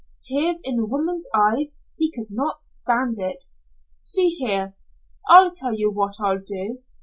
Tears in a woman's eyes! He could not stand it. "See here. I'll tell you what I'll do.